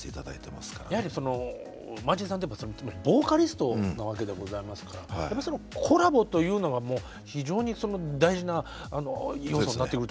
やはりそのマーチンさんといえばボーカリストなわけでございますからコラボというのがもう非常に大事な要素になってくるということですね。